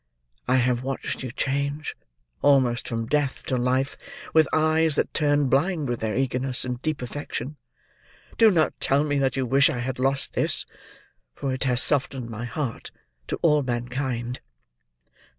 I have watched you change almost from death, to life, with eyes that turned blind with their eagerness and deep affection. Do not tell me that you wish I had lost this; for it has softened my heart to all mankind."